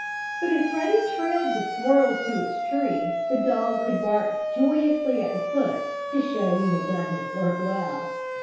But if Ruddy trailed the squirrel to its tree the dog could bark joyously at the foot, to show he had done his work well.